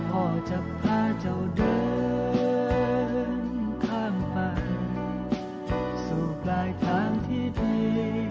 พ่อจะพาเจ้าเดินข้ามไปสู่ปลายทางที่ดี